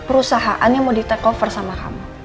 perusahaannya mau di takeover sama kamu